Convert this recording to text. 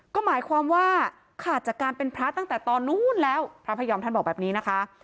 ก็หมายความว่าขาดจากการเป็นพระตั้งแต่ตอนนู้นแล้วพระพยอมท่านบอกแบบนี้นะคะ